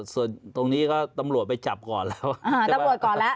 หรือตรงนี้ก็ตำรวจไปจับก่อนแล้ว